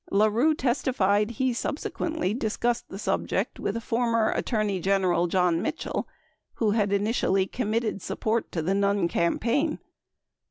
788 La Rue testified he subse quently discussed the subject with former Attorney General John Mitchell, who had initially committed support to the Nunn campaign.